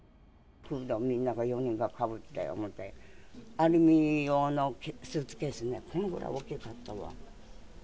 みんな４人が、フードかぶって、アルミ用のスーツケースね、このぐらい大きかったわ。